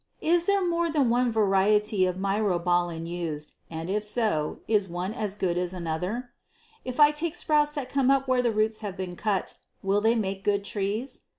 Is there more than one variety of myrobalan used, and if so, is one as good as another? If I take sprouts that come up where the roots have been cut, will they make good trees?